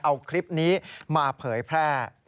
เอาคลิปนี้มาเผยแพร่